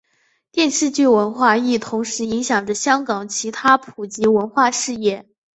电视剧文化亦同时影响着香港其他普及文化事业。